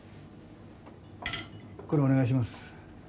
これお願いします。